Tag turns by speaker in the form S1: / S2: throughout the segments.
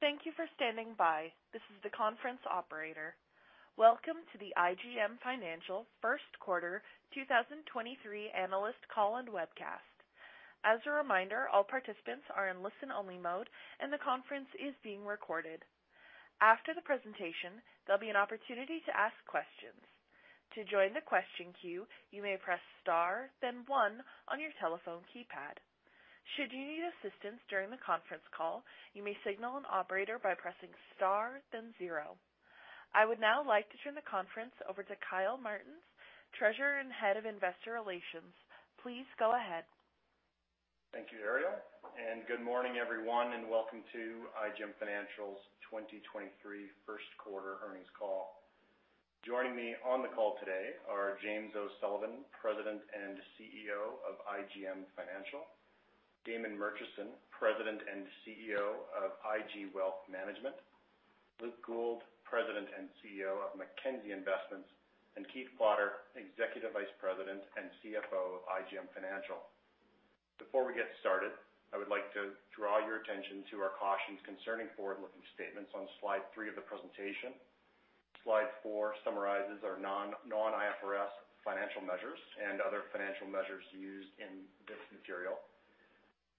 S1: Thank you for standing by. This is the conference operator. Welcome to the IGM Financial Q1 2023 analyst call and webcast. As a reminder, all participants are in listen-only mode, and the conference is being recorded. After the presentation, there'll be an opportunity to ask questions. To join the question queue, you may press * then 1 on your telephone keypad. Should you need assistance during the conference call, you may signal an operator by pressing * then 0. I would now like to turn the conference over to Kyle Martens, Treasurer and Head of Investor Relations. Please go ahead.
S2: Thank you, Ariel, and good morning, everyone, and welcome to IGM Financial's 2023 Q1 earnings call. Joining me on the call today are James O'Sullivan, President and CEO of IGM Financial, Damon Murchison, President and CEO of IG Wealth Management, Luke Gould, President and CEO of Mackenzie Investments, and Keith Potter, Executive Vice President and CFO of IGM Financial. Before we get started, I would like to draw your attention to our cautions concerning forward-looking statements on slide 3 of the presentation. Slide 4 summarizes our non-IFRS financial measures and other financial measures used in this material.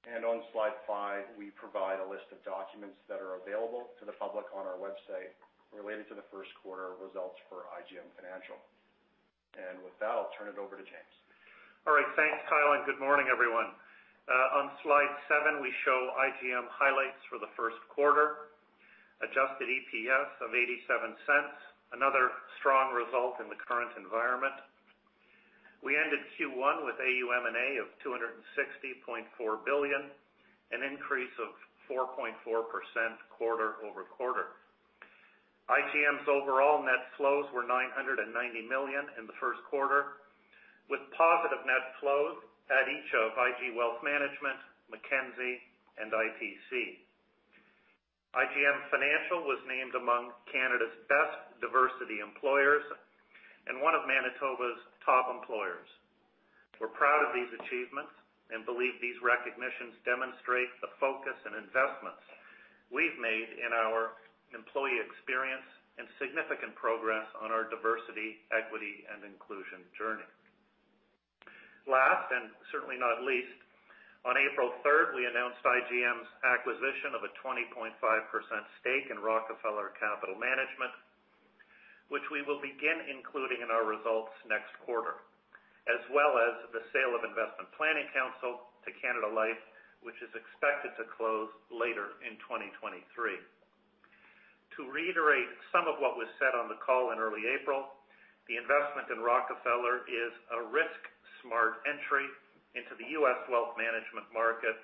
S2: On slide 5, we provide a list of documents that are available to the public on our website related to the Q1 results for IGM Financial. With that, I'll turn it over to James.
S3: All right. Thanks, Kyle, and good morning, everyone. On slide 7, we show IGM highlights for the Q1. Adjusted EPS of 0.87, another strong result in the current environment. We ended Q1 with AUM&A of 260.4 billion, an increase of 4.4% quarter-over-quarter. IGM's overall net flows were 990 million in the Q1, with positive net flows at each of IG Wealth Management, Mackenzie, and IPC. IGM Financial was named among Canada's best diversity employers and one of Manitoba's top employers. We're proud of these achievements and believe these recognitions demonstrate the focus and investments we've made in our employee experience and significant progress on our diversity, equity, and inclusion journey. Last, certainly not least, on April 3rd, we announced IGM's acquisition of a 20.5% stake in Rockefeller Capital Management, which we will begin including in our results next quarter, as well as the sale of Investment Planning Counsel to Canada Life, which is expected to close later in 2023. To reiterate some of what was said on the call in early April, the investment in Rockefeller is a risk-smart entry into the U.S. wealth management market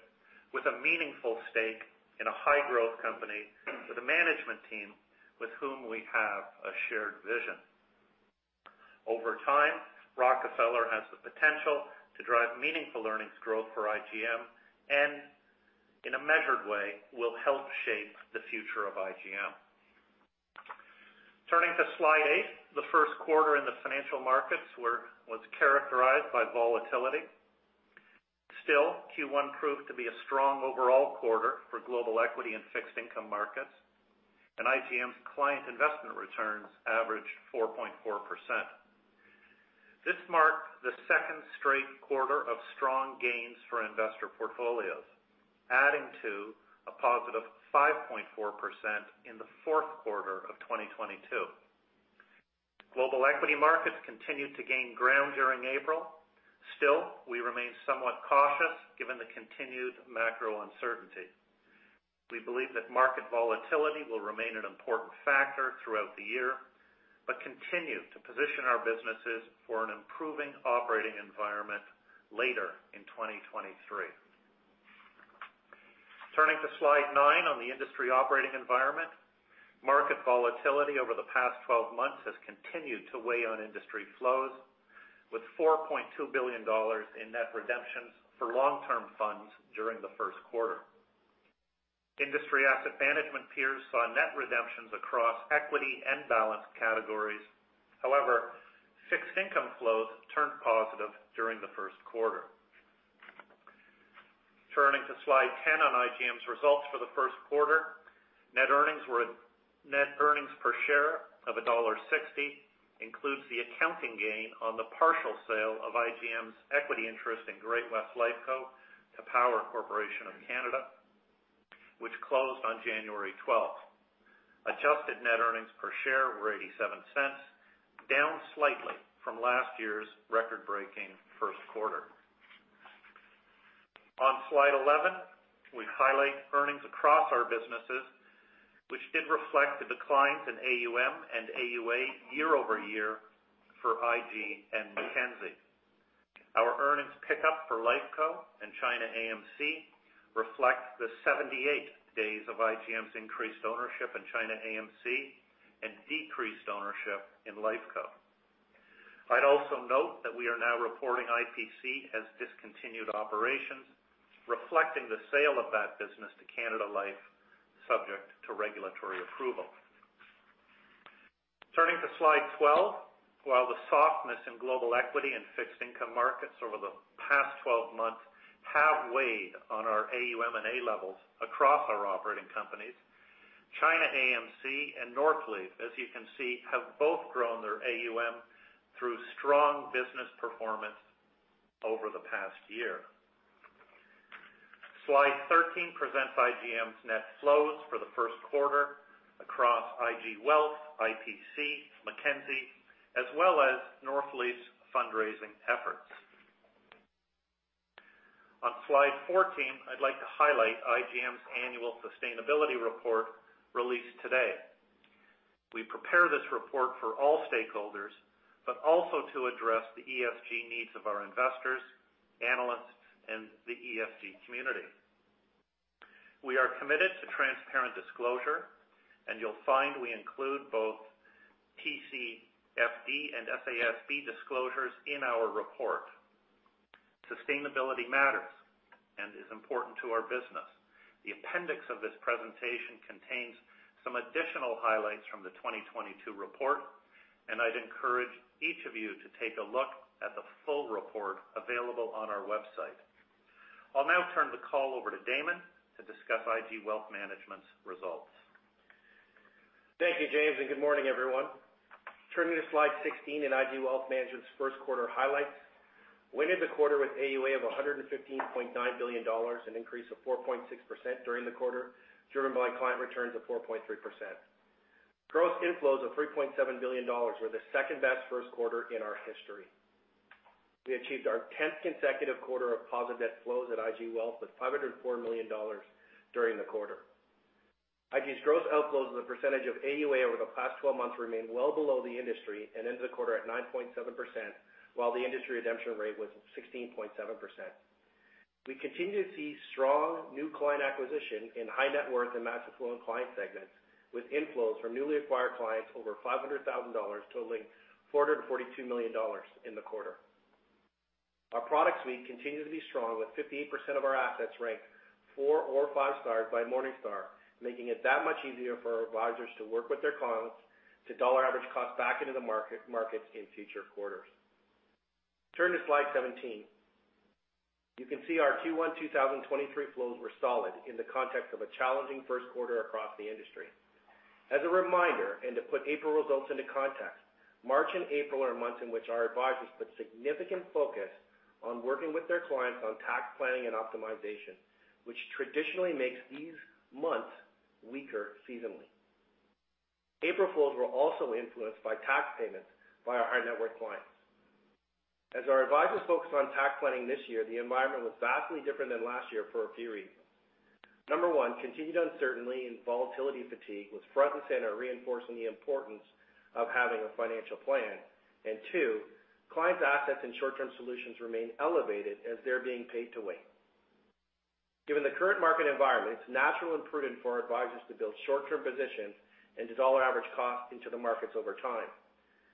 S3: with a meaningful stake in a high-growth company with a management team with whom we have a shared vision. Over time, Rockefeller has the potential to drive meaningful earnings growth for IGM and, in a measured way, will help shape the future of IGM. Turning to slide 8, the Q1 in the financial markets was characterized by volatility. Q1 proved to be a strong overall quarter for global equity and fixed income markets, IGM's client investment returns averaged 4.4%. This marked the 2nd straight quarter of strong gains for investor portfolios, adding to a positive 5.4% in the Q4 of 2022. Global equity markets continued to gain ground during April. We remain somewhat cautious given the continued macro uncertainty. We believe that market volatility will remain an important factor throughout the year but continue to position our businesses for an improving operating environment later in 2023. Turning to slide 9 on the industry operating environment. Market volatility over the past 12 months has continued to weigh on industry flows, with 4.2 billion dollars in net redemptions for long-term funds during the Q1. Industry asset management peers saw net redemptions across equity and balance categories. Fixed income flows turned positive during the Q1. Turning to slide 10 on IGM's results for the Q1. Net earnings per share of dollar 1.60 includes the accounting gain on the partial sale of IGM's equity interest in Great-West Lifeco to Power Corporation of Canada, which closed on January 12. Adjusted net earnings per share were 0.87, down slightly from last year's record-breaking Q1. On slide 11, we highlight earnings across our businesses, which did reflect the declines in AUM and AUA year-over-year for IG and Mackenzie. Our earnings pickup for Lifeco and China AMC reflect the 78 days of IGM's increased ownership in China AMC and decreased ownership in Lifeco. I'd also note that we are now reporting IPC as discontinued operations, reflecting the sale of that business to Canada Life, subject to regulatory approval. Slide 12. While the softness in global equity and fixed income markets over the past 12 months have weighed on our AUM and A levels across our operating companies, China AMC and Northleaf, as you can see, have both grown their AUM through strong business performance over the past year. Slide 13 presents IGM's net flows for the Q1 across IG Wealth, IPC, Mackenzie, as well as Northleaf's fundraising efforts. On Slide 14, I'd like to highlight IGM's annual sustainability report released today. We prepare this report for all stakeholders, but also to address the ESG needs of our investors, analysts, and the ESG community. We are committed to transparent disclosure, and you'll find we include both TCFD and SASB disclosures in our report. Sustainability matters and is important to our business. The appendix of this presentation contains some additional highlights from the 2022 report, and I'd encourage each of you to take a look at the full report available on our website. I'll now turn the call over to Damon to discuss IG Wealth Management's results.
S4: Thank you, James. Good morning, everyone. Turning to slide 16 in IG Wealth Management's Q1 highlights. We ended the quarter with AUA of 115.9 billion dollars, an increase of 4.6% during the quarter, driven by client returns of 4.3%. Gross inflows of 3.7 billion dollars were the 2nd-best Q1 in our history. We achieved our 10th consecutive quarter of positive net flows at IG Wealth with 504 million dollars during the quarter. IG's gross outflows as a percentage of AUA over the past 12 months remain well below the industry and ended the quarter at 9.7%, while the industry redemption rate was 16.7%. We continue to see strong new client acquisition in high net worth and mass affluent client segments, with inflows from newly acquired clients over 500,000 dollars totaling 442 million dollars in the quarter. Our product suite continues to be strong with 58% of our assets ranked 4 or 5 stars by Morningstar, making it that much easier for our advisors to work with their clients to dollar average cost back into the market in future quarters. Turn to slide 17. You can see our Q1 2023 flows were solid in the context of a challenging Q1 across the industry. As a reminder, and to put April results into context, March and April are months in which our advisors put significant focus on working with their clients on tax planning and optimization, which traditionally makes these months weaker seasonally. April flows were also influenced by tax payments by our high net worth clients. As our advisors focus on tax planning this year, the environment was vastly different than last year for a few reasons. Number 1, continued uncertainty and volatility fatigue was front and center, reinforcing the importance of having a financial plan. 2, clients' assets and short-term solutions remain elevated as they're being paid to wait. Given the current market environment, it's natural and prudent for our advisors to build short-term positions and dollar average cost into the markets over time.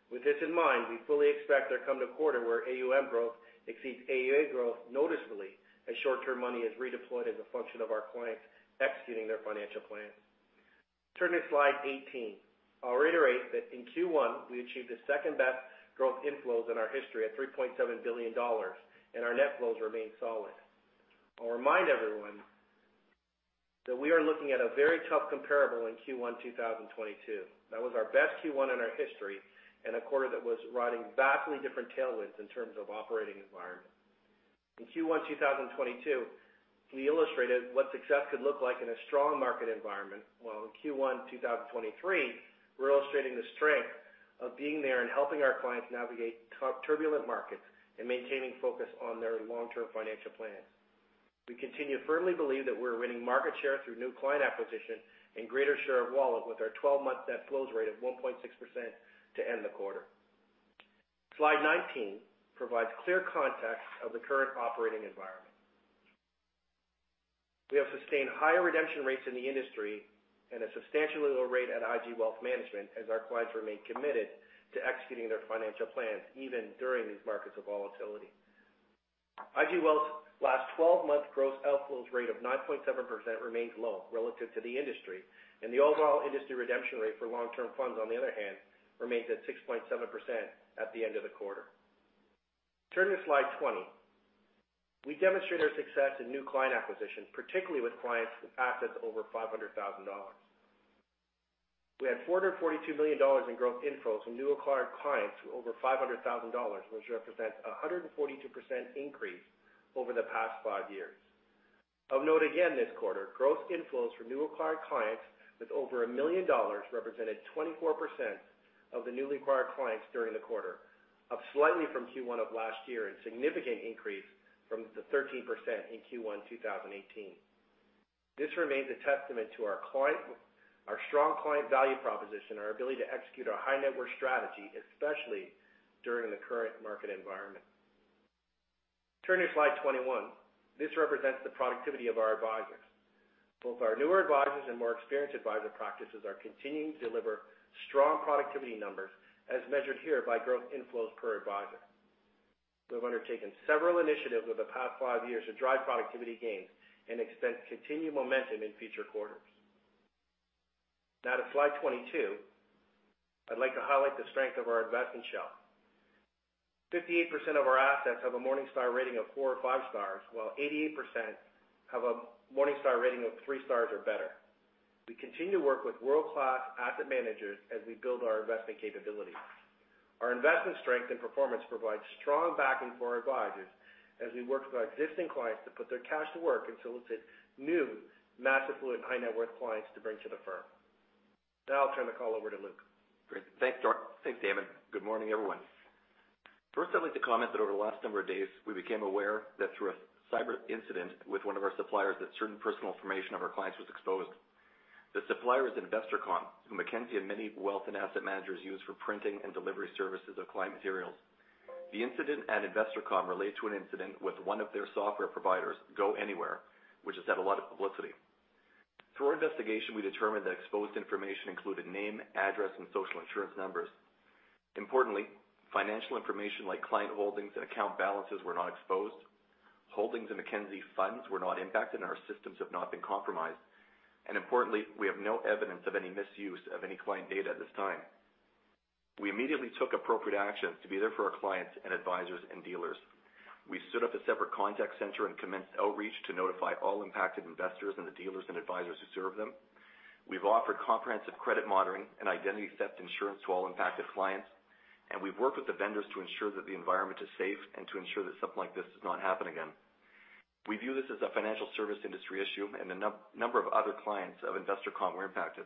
S4: With this in mind, we fully expect there come to quarter where AUM growth exceeds AUA growth noticeably as short-term money is redeployed as a function of our clients executing their financial plans. Turning to slide 18. I'll reiterate that in Q1, we achieved the 2nd-best growth inflows in our history at 3.7 billion dollars, and our net flows remain solid. I'll remind everyone that we are looking at a very tough comparable in Q1 2022. That was our best Q1 in our history, and a quarter that was riding vastly different tailwinds in terms of operating environment. In Q1 2022, we illustrated what success could look like in a strong market environment. While in Q1 2023, we're illustrating the strength of being there and helping our clients navigate turbulent markets and maintaining focus on their long-term financial plans. We continue to firmly believe that we're winning market share through new client acquisition and greater share of wallet with our 12-month net flows rate of 1.6% to end the quarter. Slide 19 provides clear context of the current operating environment. We have sustained higher redemption rates in the industry and a substantially lower rate at IG Wealth Management as our clients remain committed to executing their financial plans even during these markets of volatility. IG Wealth's last 12-month gross outflows rate of 9.7% remains low relative to the industry, and the overall industry redemption rate for long-term funds, on the other hand, remains at 6.7% at the end of the quarter. Turning to slide 20. We demonstrate our success in new client acquisition, particularly with clients with assets over 500,000 dollars. We had 442 million dollars in growth inflows from new acquired clients with over 500,000 dollars, which represents a 142% increase over the past 5 years. Of note again this quarter, gross inflows from new acquired clients with over 1 million dollars represented 24% of the newly acquired clients during the quarter, up slightly from Q1 of last year and significant increase from the 13% in Q1 2018. This remains a testament to our client our strong client value proposition, our ability to execute our high net worth strategy, especially during the current market environment. Turning to slide 21. This represents the productivity of our advisors. Both our newer advisors and more experienced advisor practices are continuing to deliver strong productivity numbers as measured here by growth inflows per advisor. We've undertaken several initiatives over the past 5 years to drive productivity gains and expect continued momentum in future quarters. To slide 22, I'd like to highlight the strength of our investment shelf. 58% of our assets have a Morningstar rating of 4 or 5 stars, while 88% have a Morningstar rating of 3 stars or better. We continue to work with world-class asset managers as we build our investment capabilities. Our investment strength and performance provides strong backing for our advisors as we work with our existing clients to put their cash to work and solicit new mass affluent high net worth clients to bring to the firm. I'll turn the call over to Luke.
S5: Great. Thanks, Damon. Good morning, everyone. First, I'd like to comment that over the last number of days, we became aware that through a cyber incident with one of our suppliers, that certain personal information of our clients was exposed. The supplier is InvestorCOM, who Mackenzie and many wealth and asset managers use for printing and delivery services of client materials. The incident at InvestorCOM relates to an incident with one of their software providers, GoAnywhere, which has had a lot of publicity. Through our investigation, we determined that exposed information included name, address, and social insurance numbers. Importantly, financial information like client holdings and account balances were not exposed. Holdings in Mackenzie funds were not impacted, and our systems have not been compromised. Importantly, we have no evidence of any misuse of any client data at this time. We immediately took appropriate actions to be there for our clients and advisors and dealers. We stood up a separate contact center and commenced outreach to notify all impacted investors and the dealers and advisors who serve them. We've offered comprehensive credit monitoring and identity theft insurance to all impacted clients, and we've worked with the vendors to ensure that the environment is safe and to ensure that something like this does not happen again. We view this as a financial service industry issue. A number of other clients of InvestorCOM were impacted.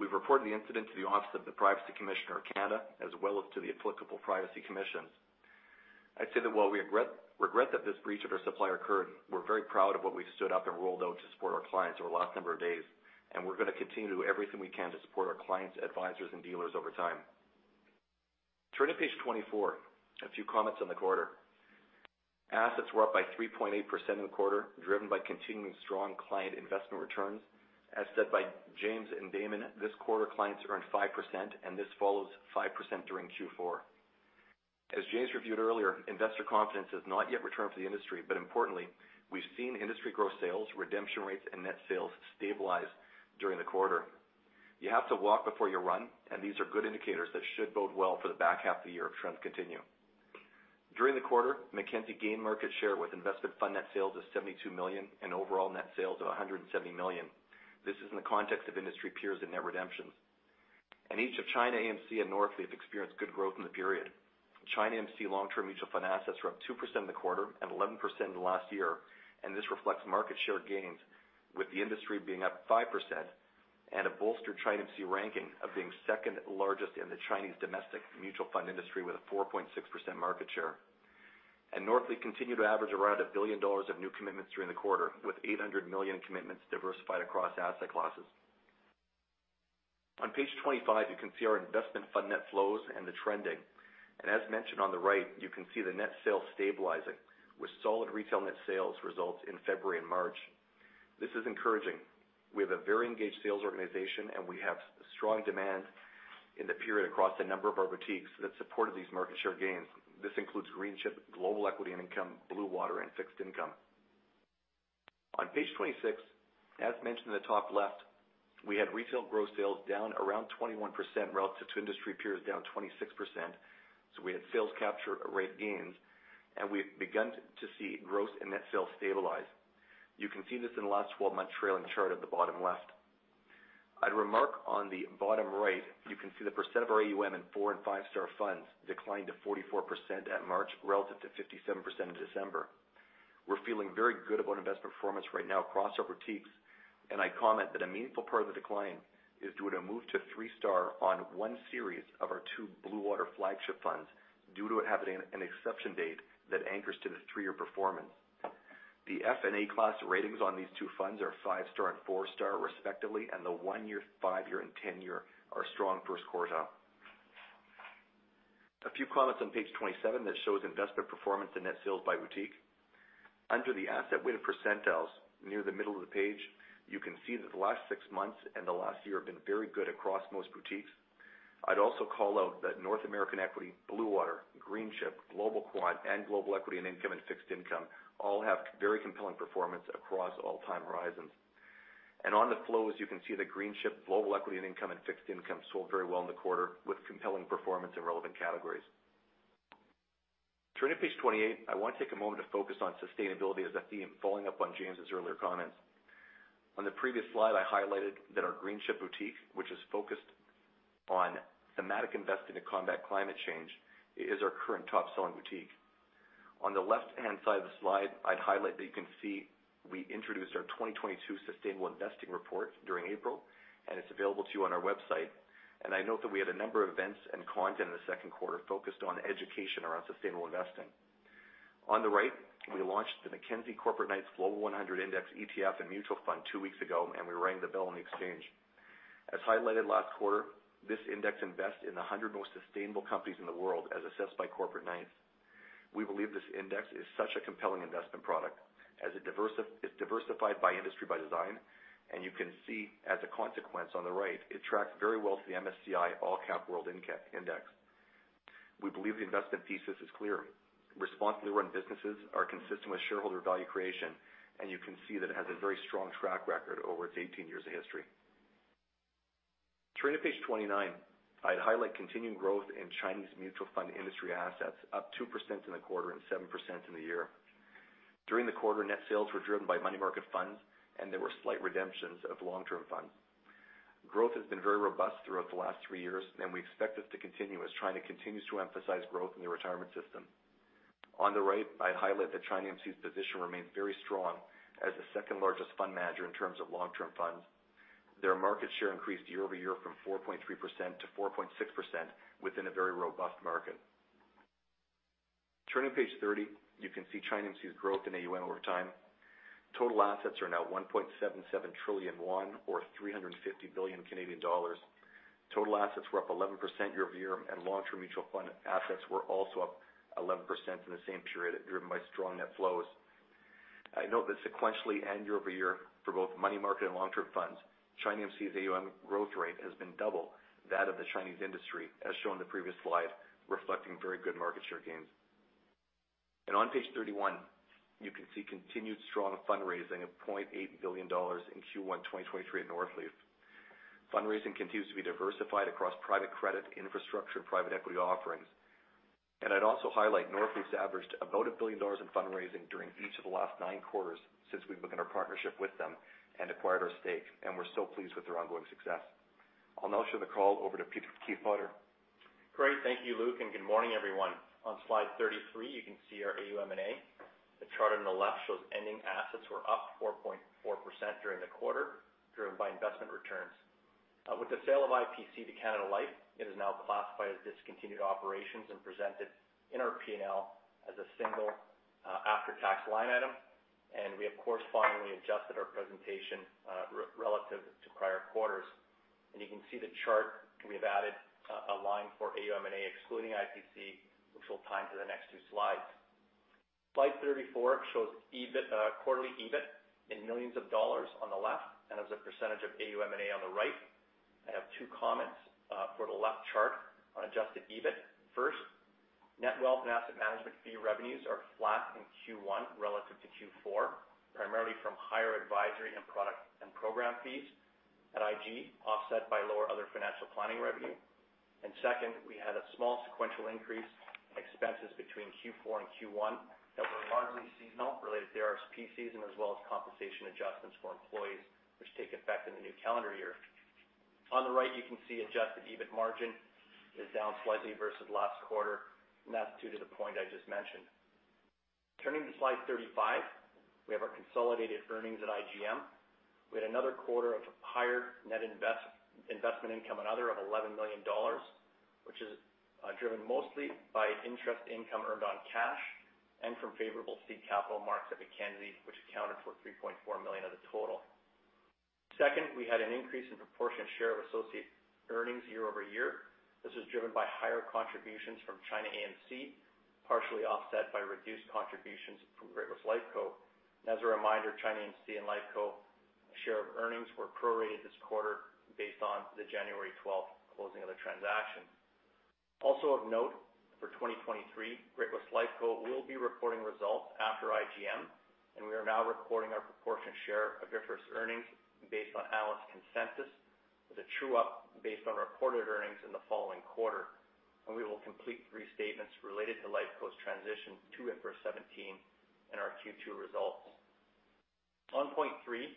S5: We've reported the incident to the Office of the Privacy Commissioner of Canada, as well as to the applicable privacy commissions. I'd say that while we regret that this breach of our supplier occurred, we're very proud of what we've stood up and rolled out to support our clients over the last number of days, and we're gonna continue to do everything we can to support our clients, advisors, and dealers over time. Turning to page 24, a few comments on the quarter. Assets were up by 3.8% in the quarter, driven by continuing strong client investment returns. As said by James and Damon, this quarter, clients earned 5%, and this follows 5% during Q4. As James reviewed earlier, investor confidence has not yet returned to the industry, but importantly, we've seen industry growth sales, redemption rates, and net sales stabilize during the quarter. You have to walk before you run. These are good indicators that should bode well for the back half of the year if trends continue. During the quarter, Mackenzie gained market share with investment fund net sales of 72 million and overall net sales of 170 million. This is in the context of industry peers and net redemptions. In each of China AMC and Northleaf experienced good growth in the period. China AMC long-term mutual fund assets were up 2% in the quarter and 11% in the last year, and this reflects market share gains, with the industry being up 5% and a bolstered China AMC ranking of being 2nd largest in the Chinese domestic mutual fund industry with a 4.6% market share. Northleaf continued to average around 1 billion dollars of new commitments during the quarter, with 800 million in commitments diversified across asset classes. On page 25, you can see our investment fund net flows and the trending. As mentioned on the right, you can see the net sales stabilizing with solid retail net sales results in February and March. This is encouraging. We have a very engaged sales organization, and we have strong demand in the period across a number of our boutiques that supported these market share gains. This includes Greenchip, Global Equity & Income, Bluewater, and Fixed Income. On page 26, as mentioned in the top left, we had retail growth sales down around 21% relative to industry peers down 26%. We had sales capture rate gains, and we've begun to see growth in net sales stabilize. You can see this in the last 12-month trailing chart at the bottom left. I'd remark on the bottom right, you can see the percent of our AUM in 4- and 5-star funds declined to 44% at March, relative to 57% in December. We're feeling very good about investment performance right now across our boutiques, and I comment that a meaningful part of the decline is due to move to 3-star on 1 series of our 2 Bluewater flagship funds due to it having an exception date that anchors to the 3-year performance. The F and A class ratings on these 2 funds are 5-star and 4-star respectively, and the 1-year, 5-year, and 10-year are strong 1st quartile. A few comments on page 27 that shows investment performance and net sales by boutique. Under the asset weighted percentiles near the middle of the page, you can see that the last 6 months and the last year have been very good across most boutiques. I'd also call out that North American Equity, Bluewater, Greenchip, Global Quant, and Global Equity and Income and Fixed Income all have very compelling performance across all time horizons. On the flows, you can see the Greenchip Global Equity and Income and Fixed Income sold very well in the quarter with compelling performance in relevant categories. Turning to page 28, I want to take a moment to focus on sustainability as a theme, following up on James' earlier comments. On the previous slide, I highlighted that our Greenchip boutique, which is focused on thematic investing to combat climate change, is our current top-selling boutique. On the left-hand side of the slide, I'd highlight that you can see we introduced our 2022 Sustainable Investing Report during April. It's available to you on our website. I note that we had a number of events and content in the Q2 focused on education around sustainable investing. On the right, we launched the Mackenzie Corporate Knights Global 100 Index ETF and Mutual Fund 2 weeks ago. We rang the bell on the exchange. As highlighted last quarter, this index invests in the 100 most sustainable companies in the world, as assessed by Corporate Knights. We believe this index is such a compelling investment product. It's diversified by industry by design. You can see as a consequence on the right, it tracks very well to the MSCI All Country World Index. We believe the investment thesis is clear. Responsibly run businesses are consistent with shareholder value creation, and you can see that it has a very strong track record over its 18 years of history. Turning to page 29, I'd highlight continued growth in Chinese mutual fund industry assets, up 2% in the quarter and 7% in the year. During the quarter, net sales were driven by money market funds, and there were slight redemptions of long-term funds. Growth has been very robust throughout the last 3 years, and we expect this to continue as China continues to emphasize growth in the retirement system. On the right, I'd highlight that China AMC's position remains very strong as the 2nd-largest fund manager in terms of long-term funds. Their market share increased year-over-year from 4.3% to 4.6% within a very robust market. Turning to page 30, you can see China AMC's growth in AUM over time. Total assets are now RMB 1.77 trillion or 350 billion Canadian dollars. Total assets were up 11% year-over-year, and long-term mutual fund assets were also up 11% in the same period, driven by strong net flows. I note that sequentially and year-over-year for both money market and long-term funds, China AMC's AUM growth rate has been double that of the Chinese industry, as shown in the previous slide, reflecting very good market share gains. On page 31, you can see continued strong fundraising of 0.8 billion dollars in Q1 2023 at Northleaf. Fundraising continues to be diversified across private credit, infrastructure, and private equity offerings. I'd also highlight Northleaf's averaged about 1 billion dollars in fundraising during each of the last 9 quarters since we began our partnership with them and acquired our stake, and we're so pleased with their ongoing success. I'll now turn the call over to Keith Potter.
S6: Great. Thank you, Luke. Good morning, everyone. On slide 33, you can see our AUM and A. The chart on the left shows ending assets were up 4.4% during the quarter, driven by investment returns. With the sale of IPC to Canada Life, it is now classified as discontinued operations and presented in our P&L as a single after-tax line item. We, of course, finally adjusted our presentation relative to prior quarters. You can see the chart, we've added a line for AUM and A excluding IPC, which will tie into the next 2 slides. Slide 34 shows EBIT, quarterly EBIT in millions dollars on the left and as a percentage of AUM and A on the right. I have 2 comments for the left chart on adjusted EBIT. net wealth and asset management fee revenues are flat in Q1 relative to Q4, primarily from higher advisory and product and program fees at IG, offset by lower other financial planning revenue. Second, we had a small sequential increase in expenses between Q4 and Q1 that were largely seasonal, related to RSP season, as well as compensation adjustments for employees, which take effect in the new calendar year. On the right, you can see adjusted EBIT margin is down slightly versus last quarter, that's due to the point I just mentioned. Turning to slide 35, we have our consolidated earnings at IGM. We had another quarter of higher net investment income and other of 11 million dollars, which is driven mostly by interest income earned on cash and from favorable seed capital marks at Mackenzie, which accounted for 3.4 million of the total. We had an increase in proportionate share of associate earnings year-over-year. This was driven by higher contributions from China AMC, partially offset by reduced contributions from Great-West Lifeco. As a reminder, China AMC and Lifeco share of earnings were prorated this quarter based on the January 12th closing of the transaction. For 2023, Great-West Lifeco will be reporting results after IGM, and we are now recording our proportionate share of Great-West earnings based on analyst consensus with a true-up based on reported earnings in the following quarter, and we will complete restatements related to Lifeco's transition to IFRS 17 in our Q2 results. On point 3,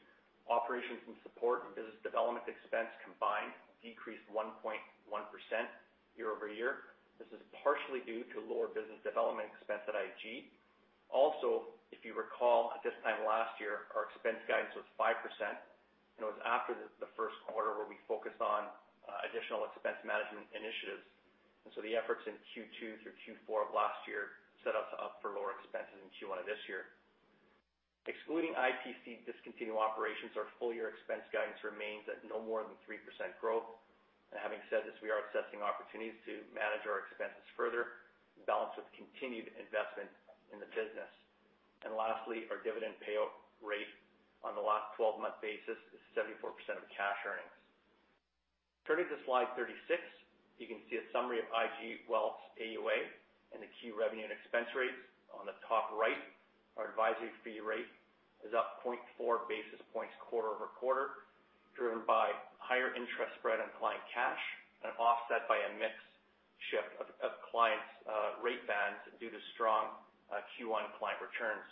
S6: operations and support and business development expense combined decreased 1.1% year-over-year. This is partially due to lower business development expense at IG. If you recall, at this time last year, our expense guidance was 5%, and it was after the Q1 where we focused on additional expense management initiatives. The efforts in Q2 through Q4 of last year set us up for lower expenses in Q1 of this year. Excluding IPC discontinued operations, our full-year expense guidance remains at no more than 3% growth. Having said this, we are assessing opportunities to manage our expenses further, balanced with continued investment in the business. Lastly, our dividend payout rate on the last 12-month basis is 74% of cash earnings. Turning to slide 36, you can see a summary of IG Wealth's AUA and the key revenue and expense rates. On the top right, our advisory fee rate is up 0.4 basis points quarter-over-quarter, driven by higher interest spread on client cash and offset by a mix shift of clients' rate bands due to strong Q1 client returns.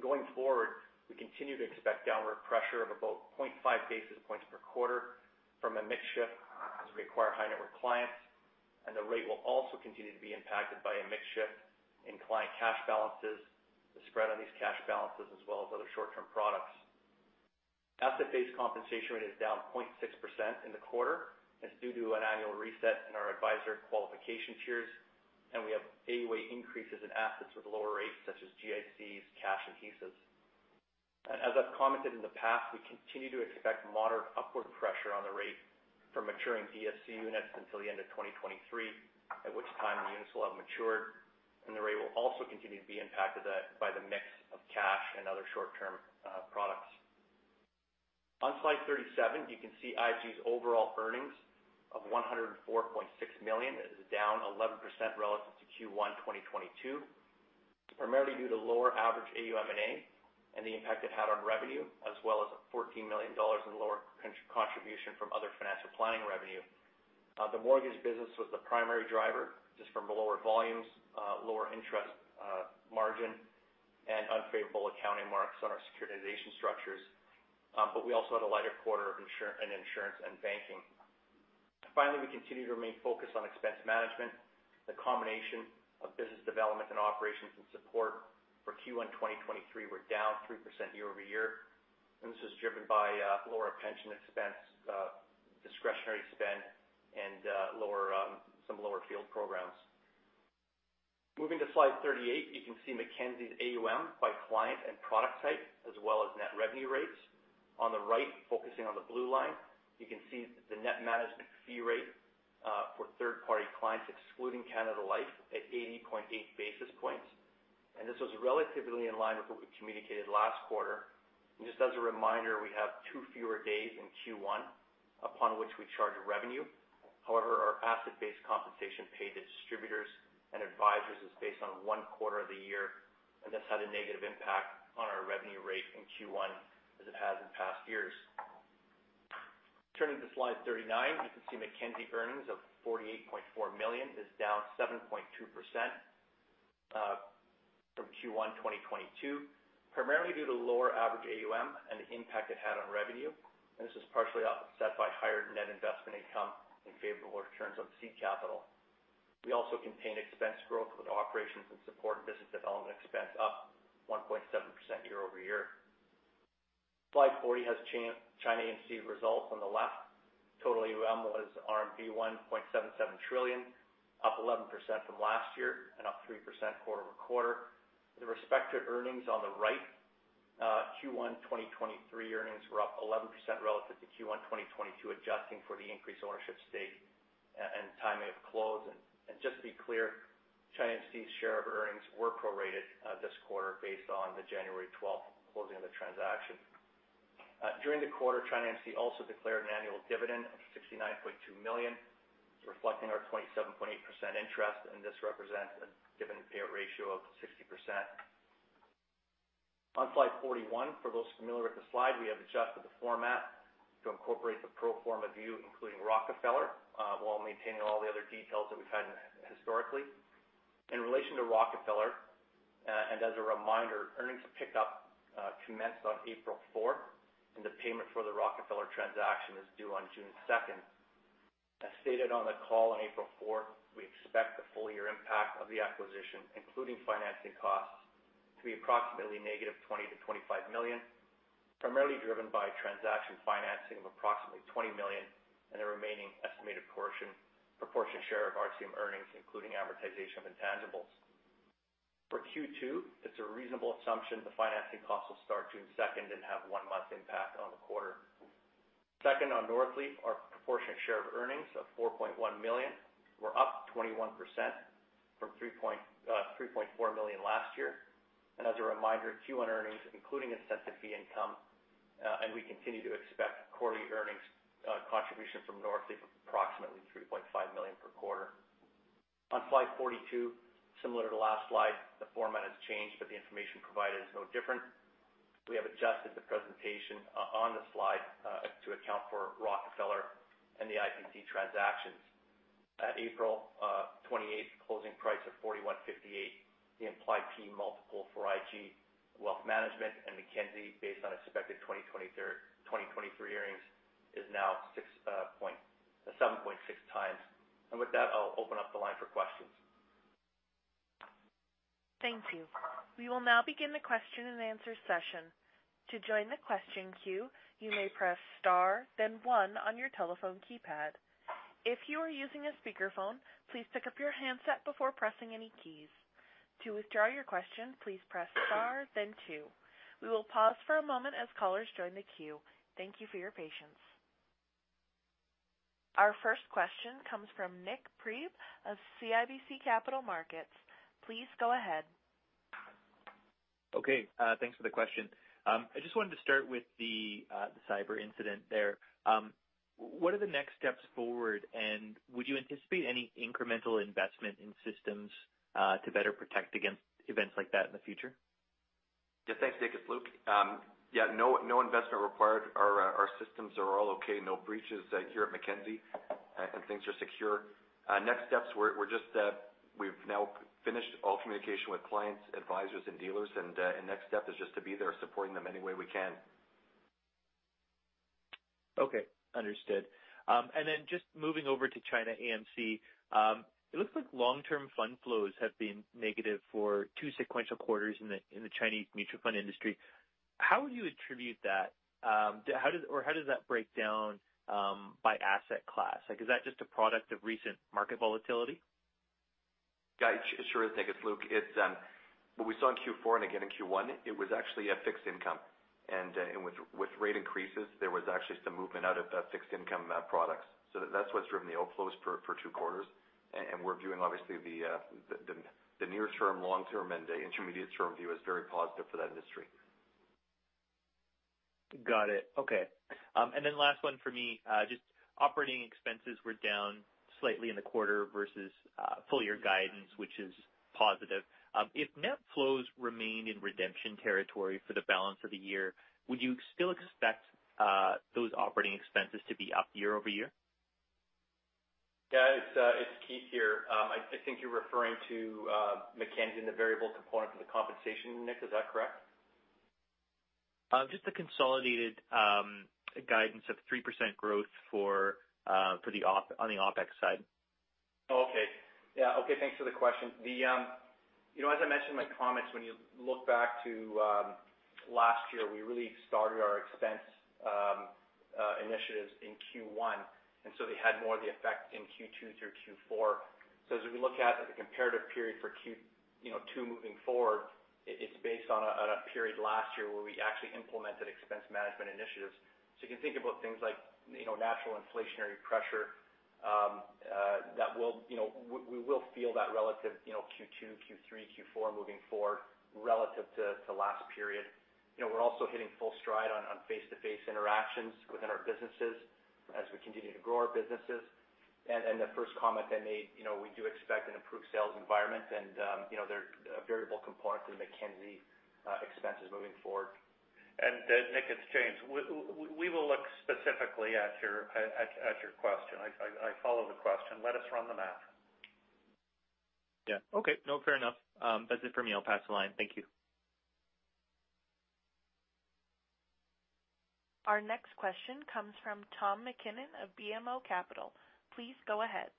S6: Going forward, we continue to expect downward pressure of about 0.5 basis points per quarter from a mix shift as we acquire high net worth clients, and the rate will also continue to be impacted by a mix shift in client cash balances, the spread on these cash balances, as well as other short-term products. Asset-based compensation rate is down 0.6% in the quarter. That's due to an annual reset in our advisor qualification tiers, and we have AUA increases in assets with lower rates, such as GICs, cash, and HSAs. As I've commented in the past, we continue to expect moderate upward pressure on the rate for maturing DSE units until the end of 2023, at which time the units will have matured, and the rate will also continue to be impacted by the mix of cash and other short-term products. On slide 37, you can see IG's overall earnings of CAD 104.6 million. It is down 11% relative to Q1 2022, primarily due to lower average AUM and A, and the impact it had on revenue, as well as 14 million dollars in lower contribution from other financial planning revenue. The mortgage business was the primary driver, just from the lower volumes, lower interest margin, and unfavorable accounting marks on our securitization structures. We also had a lighter quarter in insurance and banking. Finally, we continue to remain focused on expense management. The combination of business development and operations and support for Q1 2023 were down 3% year-over-year. This is driven by lower pension expense, discretionary spend and some lower field programs. Moving to slide 38, you can see Mackenzie's AUM by client and product type as well as net revenue rates. On the right, focusing on the blue line, you can see the net management fee rate for third party clients excluding Canada Life at 80.8 basis points. This was relatively in line with what we communicated last quarter. Just as a reminder, we have 2 fewer days in Q1 upon which we charge a revenue. However, our asset-based compensation paid to distributors and advisors is based on 1 quarter of the year, and this had a negative impact on our revenue rate in Q1 as it has in past years. Turning to slide 39, you can see Mackenzie earnings of 48.4 million is down 7.2% from Q1 2022, primarily due to lower average AUM and the impact it had on revenue. This is partially offset by higher net investment income and favorable returns on seed capital. We also contained expense growth with operations and support and business development expense up 1.7% year-over-year. Slide 40 has China AMC results on the left. Total AUM was RMB 1.77 trillion, up 11% from last year and up 3% quarter-over-quarter. The respective earnings on the right, Q1 2023 earnings were up 11% relative to Q1 2022, adjusting for the increased ownership stake and timing of close. Just to be clear, China AMC share of earnings were prorated this quarter based on the January twelfth closing of the transaction. During the quarter, China AMC also declared an annual dividend of 69.2 million, reflecting our 27.8% interest, and this represents a dividend payout ratio of 60%. On slide 41, for those familiar with the slide, we have adjusted the format to incorporate the pro forma view, including Rockefeller, while maintaining all the other details that we've had historically. In relation to Rockefeller Capital Management, as a reminder, earnings pick-up commenced on April 4th, and the payment for the Rockefeller Capital Management transaction is due on June 2nd. As stated on the call on April 4th, we expect the full year impact of the acquisition, including financing costs, to be approximately -$20 million to -$25 million, primarily driven by transaction financing of approximately $20 million and the remaining estimated proportionate share of RCM earnings, including amortization of intangibles. For Q2, it's a reasonable assumption the financing costs will start June 2nd and have 1 month impact on the quarter. Second, on Northleaf, our proportionate share of earnings of $4.1 million were up 21% from $3.4 million last year. As a reminder, Q1 earnings including incentive fee income, we continue to expect quarterly earnings contribution from Northleaf of approximately $3.5 million per quarter. On slide 42, similar to last slide, the format has changed, the information provided is no different. We have adjusted the presentation on the slide to account for Rockefeller and the IPC transactions. At April 28th closing price of $41.58, the implied P/E multiple for IG Wealth Management and Mackenzie based on expected 2023 earnings is now 7.6 times. With that, I'll open up the line for questions.
S1: Thank you. We will now begin the question and answer session. To join the question queue, you may press * then 1 on your telephone keypad. If you are using a speakerphone, please pick up your handset before pressing any keys. To withdraw your question, please press * then 2. We will pause for a moment as callers join the queue. Thank you for your patience. Our 1st question comes from Nik Priebe of CIBC Capital Markets. Please go ahead.
S7: Okay, thanks for the question. I just wanted to start with the cyber incident there. What are the next steps forward, and would you anticipate any incremental investment in systems to better protect against events like that in the future?
S5: Yeah, thanks, Nick. It's Luke. Yeah, no investment required. Our systems are all okay. No breaches here at Mackenzie, and things are secure. Next steps we're just, we've now finished all communication with clients, advisors and dealers, and next step is just to be there supporting them any way we can.
S7: Okay. Understood. Then just moving over to China AMC, it looks like long-term fund flows have been negative for 2 sequential quarters in the Chinese mutual fund industry. How would you attribute that? How does that break down by asset class? Like, is that just a product of recent market volatility?
S5: Yeah. Sure thing. It's Luke. It's what we saw in Q4 and again in Q1, it was actually a fixed income. With rate increases, there was actually some movement out of that fixed income products. That's what's driven the outflows for 2 quarters. We're viewing obviously the near term, long term, and the intermediate term view as very positive for that industry.
S7: Got it. Okay. Last 1 for me, just operating expenses were down slightly in the quarter versus full year guidance, which is positive. If net flows remain in redemption territory for the balance of the year, would you still expect those operating expenses to be up year-over-year?
S6: Yeah. It's Keith here. I think you're referring to Mackenzie and the variable component for the compensation, Nik. Is that correct?
S7: just the consolidated guidance of 3% growth on the OpEx side.
S6: Okay. Yeah. Okay, thanks for the question. The, you know, as I mentioned in my comments, when you look back to last year, we really started our expense initiatives in Q1. They had more of the effect in Q2 through Q4. As we look at the comparative period for Q2 moving forward, it's based on a period last year where we actually implemented expense management initiatives. You can think about things like, you know, natural inflationary pressure that will, you know, we will feel that relative, you know, Q2, Q3, Q4 moving forward relative to last period. You know, we're also hitting full stride on face-to-face interactions within our businesses as we continue to grow our businesses. The 1st comment I made, you know, we do expect an improved sales environment and, you know, there are a variable component to the Mackenzie expenses moving forward.
S3: Nik, it's James. We will look specifically at your question. I follow the question. Let us run the math.
S7: Okay. Fair enough. That's it for me. I'll pass the line. Thank you.
S1: Our next question comes from Tom MacKinnon of BMO Capital. Please go ahead.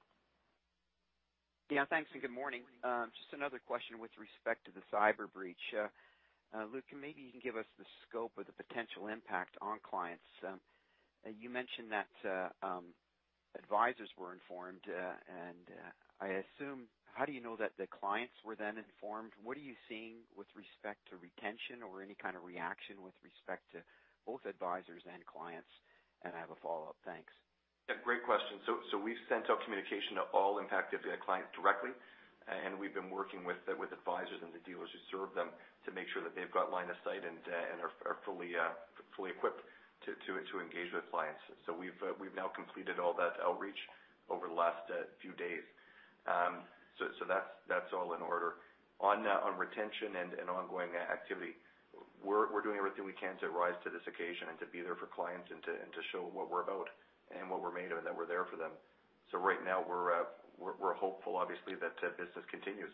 S8: Yeah, thanks and good morning. Just another question with respect to the cyber breach. Luke, maybe you can give us the scope of the potential impact on clients. You mentioned that advisors were informed, and I assume how do you know that the clients were then informed? What are you seeing with respect to retention or any kind of reaction with respect to both advisors and clients? I have a follow-up. Thanks.
S5: Yeah, great question. We've sent out communication to all impacted clients directly, and we've been working with advisors and the dealers who serve them to make sure that they've got line of sight and are fully equipped to engage with clients. We've now completed all that outreach over the last few days. That's all in order. On retention and ongoing activity, we're doing everything we can to rise to this occasion and to be there for clients and to show what we're about and what we're made of, and that we're there for them. Right now we're hopeful obviously that business continues.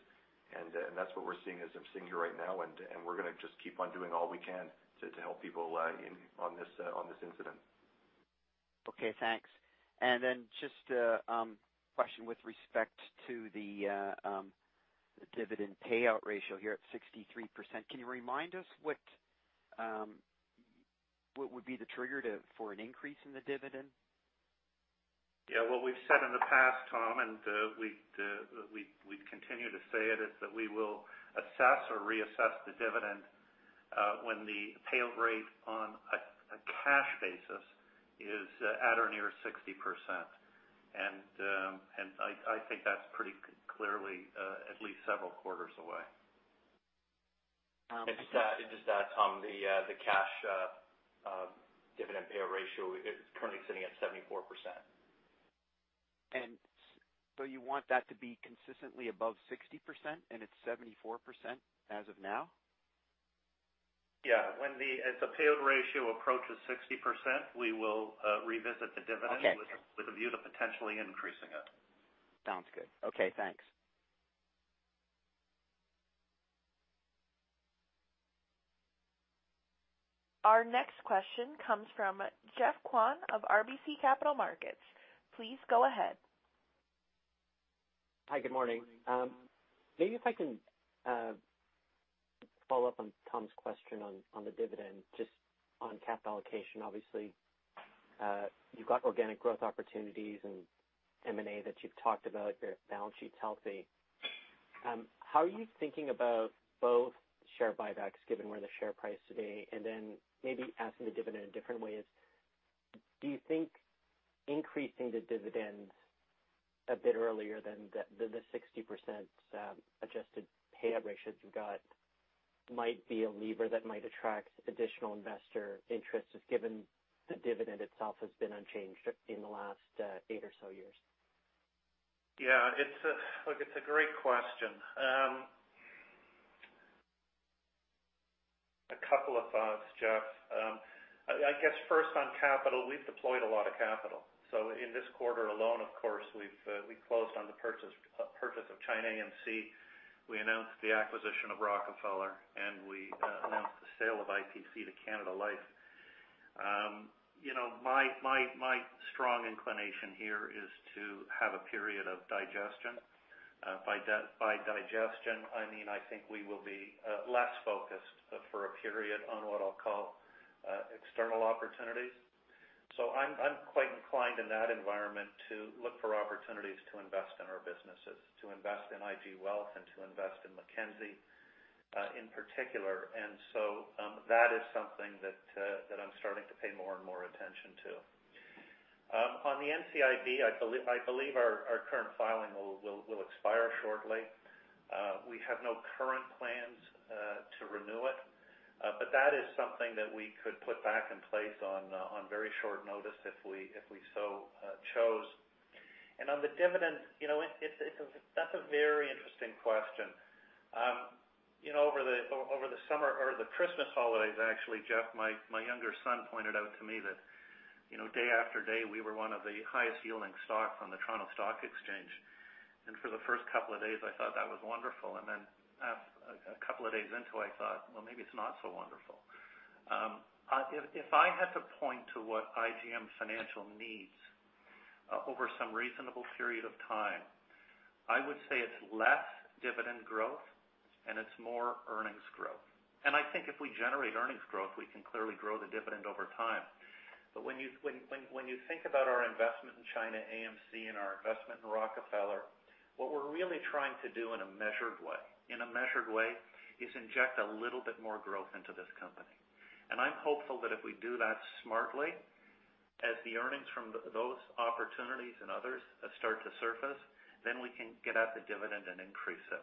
S5: That's what we're seeing as I'm sitting here right now, and we're gonna just keep on doing all we can to help people, in, on this incident.
S8: Okay, thanks. Just a question with respect to the dividend payout ratio here at 63%. Can you remind us what would be the trigger to, for an increase in the dividend?
S3: Yeah. What we've said in the past, Tom, we'd continue to say it, is that we will assess or reassess the dividend, when the payout rate on a cash basis is at or near 60%. I think that's pretty clearly at least several quarters away.
S8: Um-
S6: Just to add, Tom, the cash dividend payout ratio is currently sitting at 74%.
S8: You want that to be consistently above 60% and it's 74% as of now?
S3: As the payout ratio approaches 60%, we will revisit the dividend.
S8: Okay.
S3: with a view to potentially increasing it.
S8: Sounds good. Okay, thanks.
S1: Our next question comes from Geoffrey Kwan of RBC Capital Markets. Please go ahead.
S9: Hi, good morning. Maybe if I can follow up on Tom's question on the dividend, just on capital allocation. Obviously, you've got organic growth opportunities and M&A that you've talked about. Your balance sheet's healthy. How are you thinking about both share buybacks given where the share price today, and then maybe asking the dividend a different way is, do you think increasing the dividend a bit earlier than the 60% adjusted payout ratio that you've got might be a lever that might attract additional investor interest, just given the dividend itself has been unchanged in the last 8 or so years?
S3: Yeah, look, it's a great question. A couple of thoughts, Jeff. I guess 1st on capital, we've deployed a lot of capital. In this quarter alone, of course, we've closed on the purchase of China AMC. We announced the acquisition of Rockefeller, and we announced the sale of IPC to Canada Life. You know, my strong inclination here is to have a period of digestion. By digestion I mean I think we will be less focused for a period on what I'll call external opportunities. I'm quite inclined in that environment to look for opportunities to invest in our businesses, to invest in IG Wealth and to invest in Mackenzie in particular. That is something that I'm starting to pay more and more attention to. On the NCIB, I believe our current filing will expire shortly. We have no current plans to renew it. But that is something that we could put back in place on very short notice if we so chose. On the dividend, you know, that's a very interesting question. You know, over the summer or the Christmas holidays, actually, Jeff, my younger son pointed out to me that, you know, day after day, we were one of the highest yielding stocks on the Toronto Stock Exchange. For the first couple of days, I thought that was wonderful. A couple of days into it, I thought, "Well, maybe it's not so wonderful." If I had to point to what IGM Financial needs over some reasonable period of time, I would say it's less dividend growth and it's more earnings growth. I think if we generate earnings growth, we can clearly grow the dividend over time. When you think about our investment in China AMC and our investment in Rockefeller, what we're really trying to do in a measured way, in a measured way, is inject a little bit more growth into this company. I'm hopeful that if we do that smartly, as the earnings from those opportunities and others start to surface, then we can get at the dividend and increase it.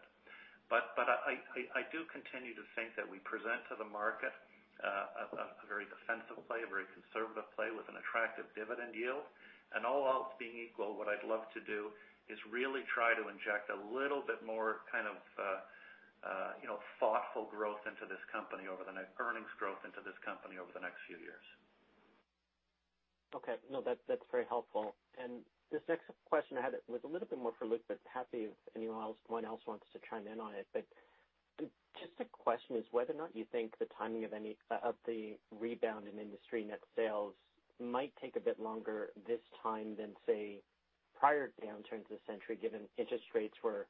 S3: I do continue to think that we present to the market, a very defensive play, a very conservative play with an attractive dividend yield. All else being equal, what I'd love to do is really try to inject a little bit more kind of, you know, thoughtful growth into this company over the earnings growth into this company over the next few years.
S9: Okay. No, that's very helpful. This next question I had was a little bit more for Luke, but happy if anyone else wants to chime in on it. Just a question is whether or not you think the timing of the rebound in industry net sales might take a bit longer this time than, say, prior downturns of the century, given interest rates were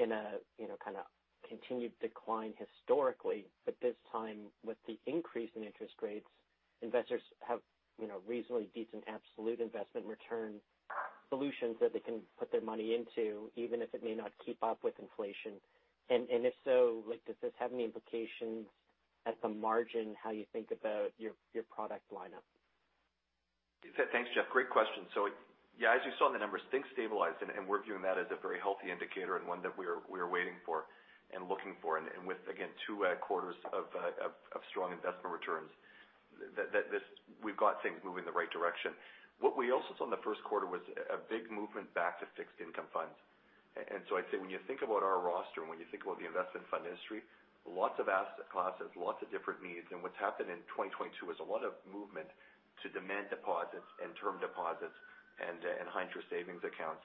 S9: in a, you know, kind of continued decline historically. This time, with the increase in interest rates, investors have, you know, reasonably decent absolute investment return solutions that they can put their money into, even if it may not keep up with inflation. If so, Luke, does this have any implications at the margin, how you think about your product lineup?
S5: Thanks, Jeff. Great question. Yeah, as you saw in the numbers, things stabilized, and we're viewing that as a very healthy indicator and 1 that we're waiting for and looking for. With, again, 2 quarters of strong investment returns, we've got things moving in the right direction. What we also saw in the Q1 was a big movement back to fixed income funds. I'd say when you think about our roster and when you think about the investment fund industry, lots of asset classes, lots of different needs. What's happened in 2022 is a lot of movement to demand deposits and term deposits and high interest savings accounts.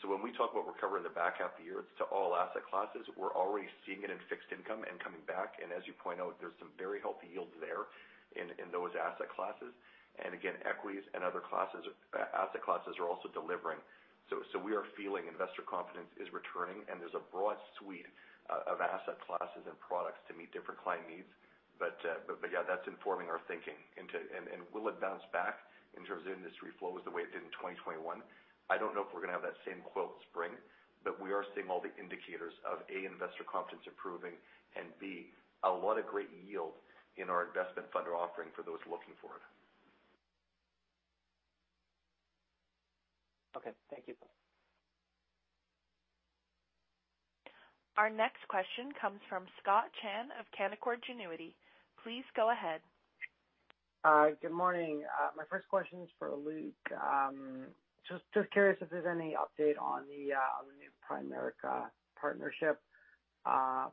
S5: When we talk about recovery in the back half of the year, it's to all asset classes. We're already seeing it in fixed income and coming back. As you point out, there's some very healthy yields there in those asset classes. Again, equities and other classes, asset classes are also delivering. We are feeling investor confidence is returning and there's a broad suite of asset classes and products to meet different client needs. Yeah, that's informing our thinking into. Will it bounce back in terms of industry flows the way it did in 2021? I don't know if we're gonna have that same quilt spring, but we are seeing all the indicators of, A, investor confidence improving and B, a lot of great yield in our investment fund offering for those looking for it.
S9: Okay. Thank you.
S1: Our next question comes from Scott Chan of Canaccord Genuity. Please go ahead.
S10: Good morning. My 1st question is for Luke. Just curious if there's any update on the new Primerica partnership,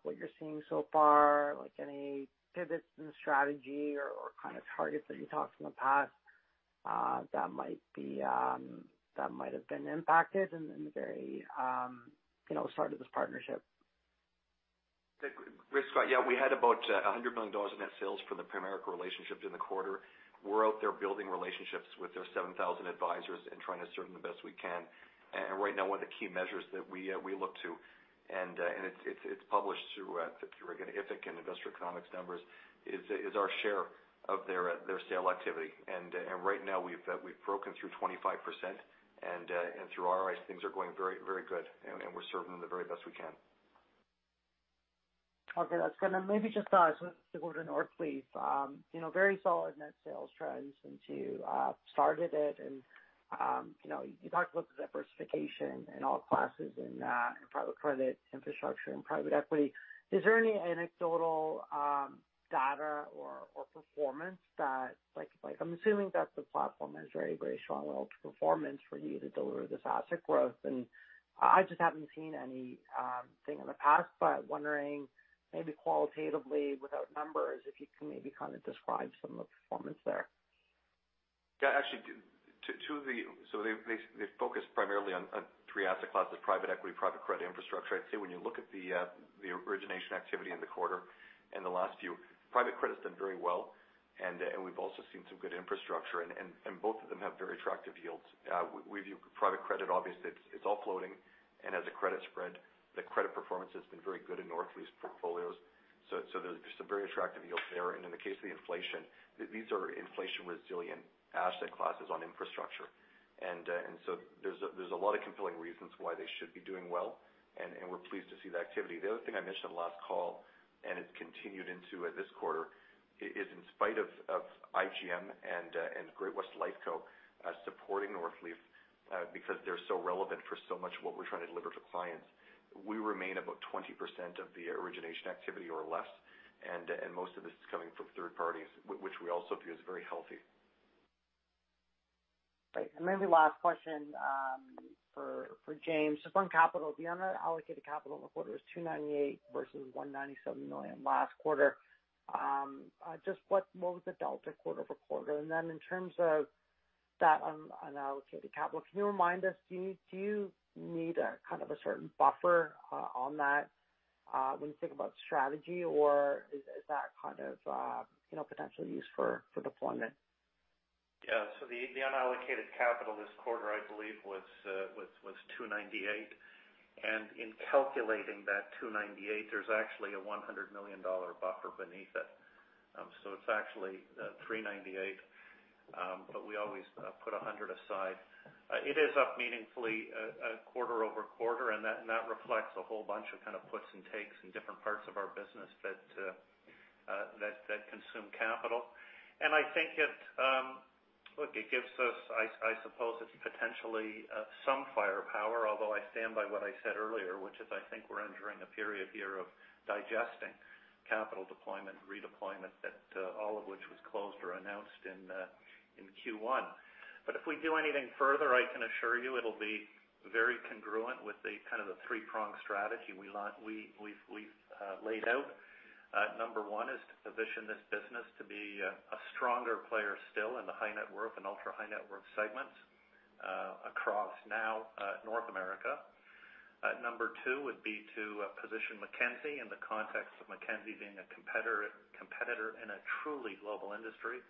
S10: what you're seeing so far, like any pivots in strategy or kind of targets that you talked in the past, that might be, you know, that might have been impacted in the very start of this partnership?
S5: Great, Scott. Yeah, we had about $100 million net sales for the Primerica relationship in the quarter. We're out there building relationships with their 7,000 advisors and trying to serve them the best we can. Right now, one of the key measures that we look to, and it's published through, again, IFIC and Investor Economics numbers, is our share of their sale activity. Right now we've broken through 25%. Through our eyes, things are going very good and we're serving them the very best we can.
S10: Okay, that's good. Then maybe just switch to Gordon or Cliff. You know, very solid net sales trends since you started it. You know, you talked about the diversification in all classes in private credit infrastructure and private equity. Is there any anecdotal data or performance that like I'm assuming that the platform has very, very strong outperformance for you to deliver this asset growth? I just haven't seen anything in the past, but wondering maybe qualitatively without numbers, if you can maybe kind of describe some of the performance there.
S5: Yeah, actually, they focus primarily on 3 asset classes, private equity, private credit infrastructure. I'd say when you look at the origination activity in the quarter and the last few, private credit's done very well. We've also seen some good infrastructure. Both of them have very attractive yields. We view private credit, obviously, it's all floating and has a credit spread. The credit performance has been very good in Northleaf portfolios. There's some very attractive yields there. In the case of the inflation, these are inflation resilient asset classes on infrastructure. There's a lot of compelling reasons why they should be doing well, and we're pleased to see the activity. The other thing I mentioned on the last call, and it's continued into this quarter, is in spite of IGM and Great-West Lifeco supporting Northleaf because they're so relevant for so much of what we're trying to deliver to clients, we remain about 20% of the origination activity or less. Most of this is coming from third parties, which we also view as very healthy.
S10: Right. Maybe last question, for James. Just on capital, the unallocated capital in the quarter was 298 versus 197 million last quarter. just what was the delta quarter-over-quarter? Then in terms of that unallocated capital, can you remind us, do you need a kind of a certain buffer, on that, when you think about strategy? Or is that kind of, you know, potential use for deployment?
S3: The unallocated capital this quarter, I believe was 298 million. In calculating that 298, there's actually a 100 million dollar buffer beneath it. It's actually 398 million. We always put 100 million aside. It is up meaningfully quarter-over-quarter, and that reflects a whole bunch of kind of puts and takes in different parts of our business that consume capital. I think it gives us, I suppose it's potentially some firepower, although I stand by what I said earlier, which is I think we're entering a period here of digesting capital deployment, redeployment that all of which was closed or announced in Q1. If we do anything further, I can assure you it'll be very congruent with the kind of the 3-pronged strategy we've laid out. Number 1 is to position this business to be a stronger player still in the high net worth and ultra-high net worth segments across now North America. Number 2 would be to position Mackenzie in the context of Mackenzie being a competitor in a truly global industry,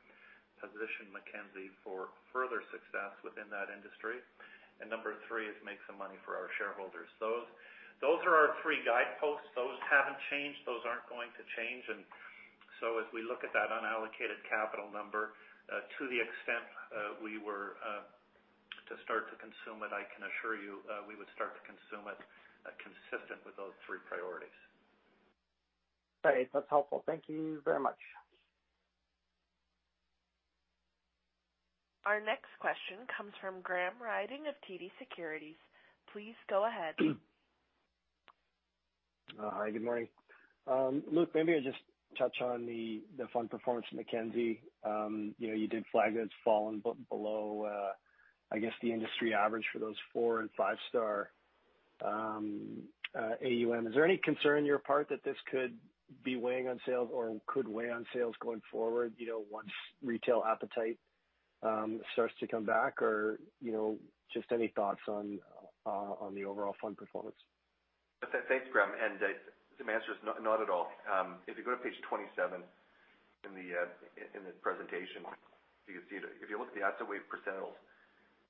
S3: position Mackenzie for further success within that industry. Number 3 is make some money for our shareholders. Those are our 3 guideposts. Those haven't changed. Those aren't going to change. As we look at that unallocated capital number, to the extent we were to start to consume it, I can assure you, we would start to consume it, consistent with those 3 priorities.
S10: Great. That's helpful. Thank you very much.
S1: Our next question comes from Graham Ryding of TD Securities. Please go ahead.
S11: Hi, good morning. Look, maybe I just touch on the fund performance at Mackenzie. You know, you did flag that it's fallen below, I guess, the industry average for those 4 and 5-star AUM. Is there any concern on your part that this could be weighing on sales or could weigh on sales going forward, you know, once retail appetite starts to come back? You know, just any thoughts on the overall fund performance?
S5: Thanks, Graham. The answer is not at all. If you go to page 27 in the presentation, you can see that if you look at the asset weight percentiles,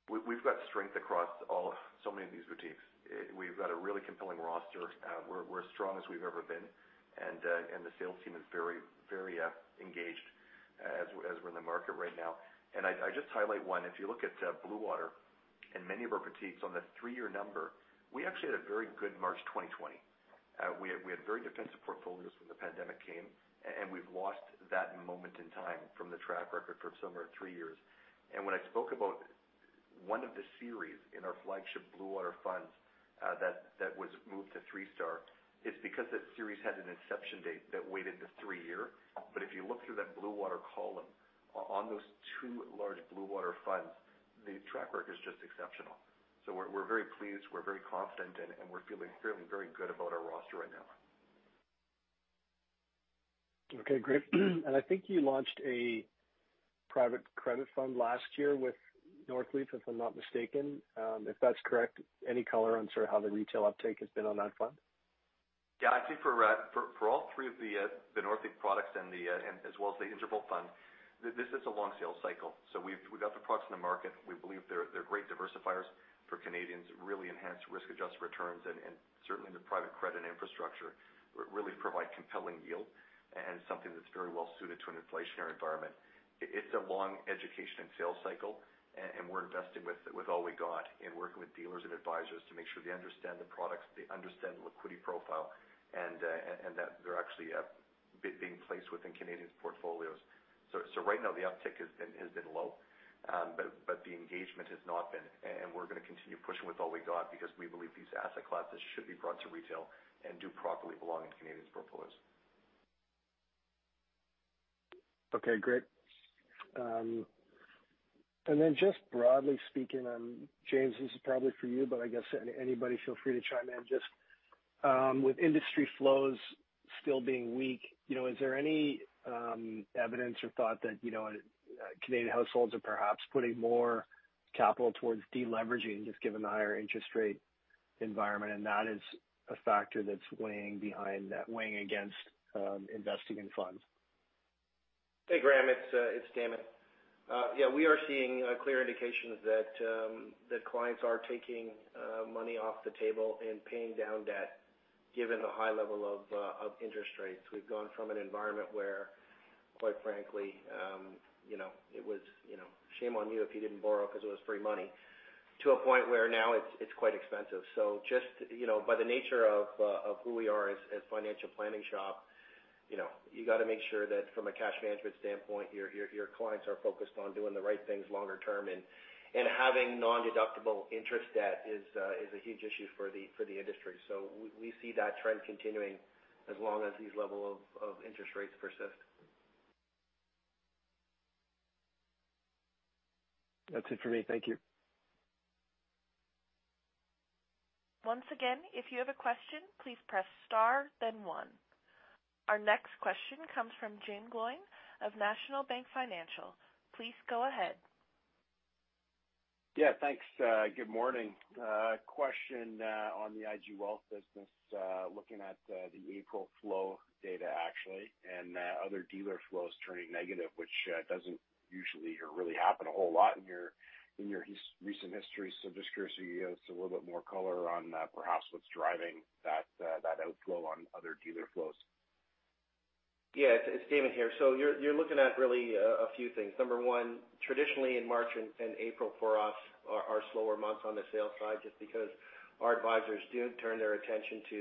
S5: we've got strength across all so many of these boutiques. We've got a really compelling roster. We're as strong as we've ever been. The sales team is very, very engaged as we're in the market right now. I just highlight 1. If you look at Bluewater and many of our boutiques on the 3-year number, we actually had a very good March 2020. We had very defensive portfolios when the pandemic came, and we've lost that moment in time from the track record for somewhere 3 years. When I spoke about one of the series in our flagship Bluewater funds, that was moved to 3-star, it's because that series had an inception date that weighed into 3 year. If you look through that Bluewater column, on those 2 large Bluewater funds, the track record is just exceptional. We're very pleased, we're very confident, and we're feeling very good about our roster right now.
S11: Okay, great. I think you launched a private credit fund last year with Northleaf, if I'm not mistaken. If that's correct, any color on sort of how the retail uptake has been on that fund?
S5: Yeah. I'd say for all 3 of the Northleaf products and as well as the interval fund, this is a long sales cycle. We've got the products in the market. We believe they're great diversifiers for Canadians, really enhance risk-adjusted returns, and certainly the private credit infrastructure really provide compelling yield and something that's very well suited to an inflationary environment. It's a long education and sales cycle, and we're investing with all we got in working with dealers and advisors to make sure they understand the products, they understand the liquidity profile, and that they're actually being placed within Canadian portfolios. Right now the uptick has been low, but the engagement has not been. We're gonna continue pushing with all we got because we believe these asset classes should be brought to retail and do properly belong in Canadians' portfolios.
S11: Okay, great. Just broadly speaking, James, this is probably for you, but I guess anybody feel free to chime in. Just with industry flows still being weak, you know, is there any evidence or thought that, you know, Canadian households are perhaps putting more capital towards deleveraging, just given the higher interest rate environment, and that is a factor that's weighing against investing in funds?
S4: Hey, Graham, it's Damon. Yeah, we are seeing clear indications that clients are taking money off the table and paying down debt, given the high level of interest rates. We've gone from an environment where, quite frankly, you know, it was, you know, shame on you if you didn't borrow 'cause it was free money, to a point where now it's quite expensive. Just, you know, by the nature of who we are as financial planning shop, you know, you gotta make sure that from a cash management standpoint, your clients are focused on doing the right things longer term. Having non-deductible interest debt is a huge issue for the industry. We see that trend continuing as long as these level of interest rates persist.
S11: That's it for me. Thank you.
S1: Once again, if you have a question, please press * then 1. Our next question comes from Jaeme Gloyn of National Bank Financial. Please go ahead.
S12: Yeah, thanks. Good morning. Question on the IG Wealth business, looking at the April flow data actually, and other dealer flows turning negative, which doesn't usually or really happen a whole lot in your recent history. Just curious if you could give us a little bit more color on perhaps what's driving that outflow on other dealer flows?
S4: It's Damon here. You're looking at really a few things. Number 1, traditionally in March and April for us are slower months on the sales side just because our advisors do turn their attention to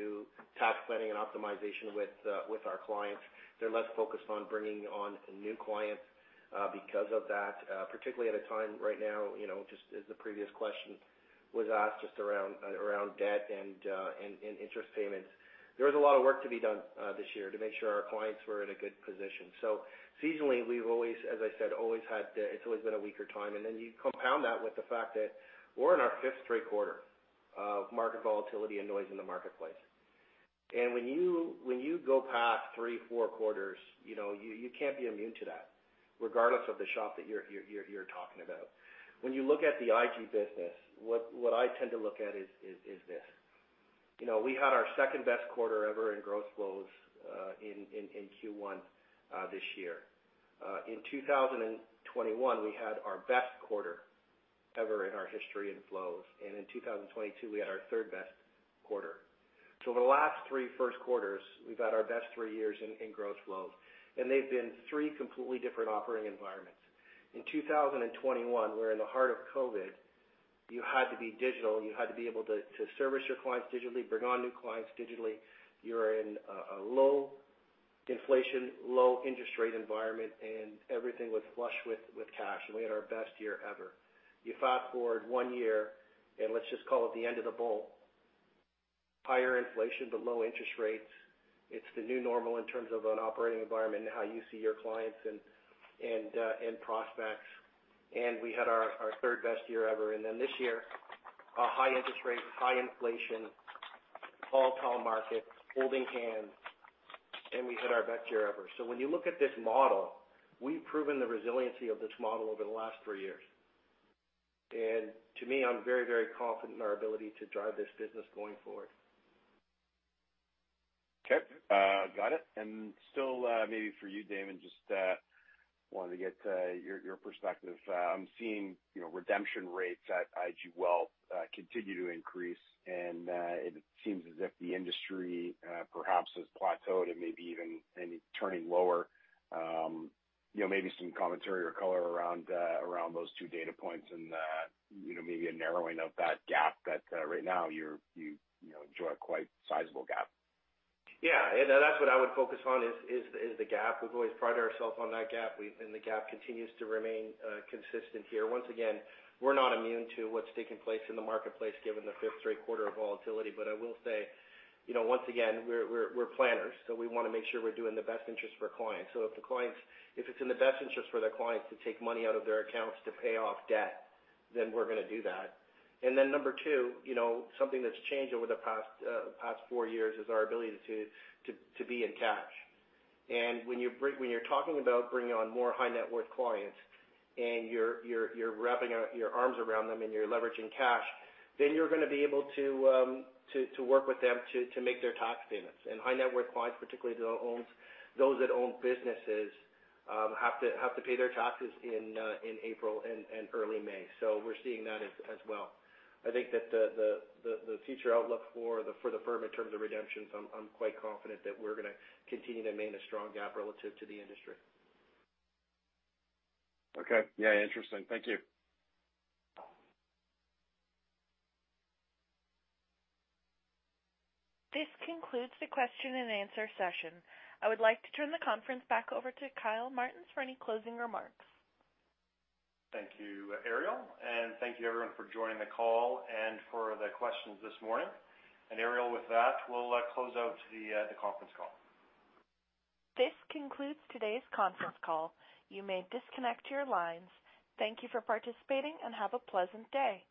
S4: tax planning and optimization with our clients. They're less focused on bringing on new clients because of that, particularly at a time right now, you know, just as the previous question was asked just around debt and interest payments. There was a lot of work to be done this year to make sure our clients were in a good position. Seasonally, we've always, as I said, it's always been a weaker time, and then you compound that with the fact that we're in our 5th straight quarter of market volatility and noise in the marketplace. When you, when you go past 3, 4 quarters, you know, you can't be immune to that regardless of the shop that you're talking about. When you look at the IG business, what I tend to look at is this. You know, we had our 2nd-best quarter ever in gross flows in Q1 this year. In 2021, we had our best quarter ever in our history in flows. In 2022, we had our 3rd-best quarter. Over the last 3 Q1, we've had our best 3 years in gross flows, and they've been 3 completely different operating environments. In 2021, we're in the heart of COVID. You had to be digital. You had to be able to service your clients digitally, bring on new clients digitally. You're in a low inflation, low interest rate environment, and everything was flush with cash, and we had our best year ever. You fast-forward 1 year. Let's just call it the end of the bull, higher inflation, but low interest rates. It's the new normal in terms of an operating environment and how you see your clients and prospects. We had our 3rd-best year ever. This year, a high interest rate, high inflation, volatile market holding hands, and we had our best year ever. When you look at this model, we've proven the resiliency of this model over the last 3 years. To me, I'm very, very confident in our ability to drive this business going forward.
S12: Okay. got it. Still, maybe for you, Damon, just wanted to get your perspective. I'm seeing, you know, redemption rates at IG Wealth continue to increase. It seems as if the industry perhaps has plateaued and maybe even turning lower. you know, maybe some commentary or color around those 2 data points and, you know, maybe a narrowing of that gap that right now you know, enjoy a quite sizable gap.
S4: Yeah. That's what I would focus on is the gap. We've always prided ourselves on that gap. The gap continues to remain consistent here. Once again, we're not immune to what's taking place in the marketplace given the 5th straight quarter of volatility. I will say, you know, once again, we're planners, we wanna make sure we're doing the best interest for our clients. If it's in the best interest for their clients to take money out of their accounts to pay off debt, we're gonna do that. Number 2, you know, something that's changed over the past 4 years is our ability to be in cash. When you're talking about bringing on more high net worth clients, and you're wrapping your arms around them and you're leveraging cash, then you're gonna be able to work with them to make their tax payments. High net worth clients, particularly those that own businesses, have to pay their taxes in April and early May. We're seeing that as well. I think that the future outlook for the firm in terms of redemptions, I'm quite confident that we're gonna continue to maintain a strong gap relative to the industry.
S12: Okay. Yeah, interesting. Thank you.
S1: This concludes the question and answer session. I would like to turn the conference back over to Kyle Martens for any closing remarks.
S2: Thank you, Ariel. Thank you everyone for joining the call and for the questions this morning. Ariel, with that, we'll close out the conference call.
S1: This concludes today's conference call. You may disconnect your lines. Thank you for participating, and have a pleasant day.